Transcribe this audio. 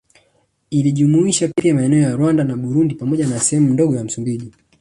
Ilijumlisha pia maeneo ya Rwanda na Burundi pamoja na sehemu ndogo ya Msumbiji